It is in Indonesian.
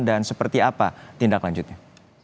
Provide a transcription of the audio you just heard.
dan seperti apa tindak lanjutnya